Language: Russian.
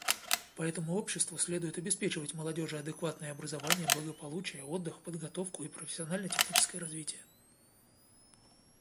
Поэтому обществу следует обеспечивать молодежи адекватные образование, благополучие, отдых, подготовку и профессионально-техническое развитие.